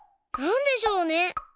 なんでしょうね？